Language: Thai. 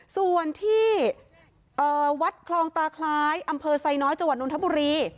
ส่วนที่วัดคลองตาคล้ายอำเภอไซน้อยจังหวัดนทบุรี